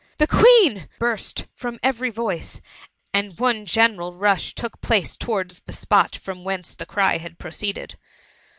the Queen T burst from every voice, and one general rush took place towards the spot from whence the cry had proceeded.